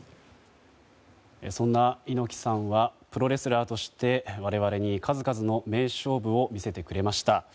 そんな猪木さんはプロレスラーとして我々に数々の名勝負を見せてくれました。